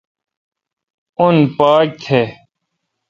اون پاک تھ۔